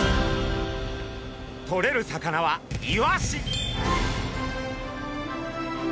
とれる魚はイワシ！